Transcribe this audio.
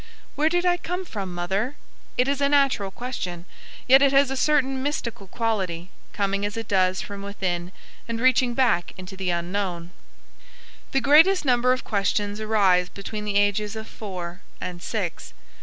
"Where did I come from, Mother?" It is a natural question, yet it has a certain mystical quality, coming as it does from within and reaching back into the unknown. The greatest number of questions arise between the ages of four and six.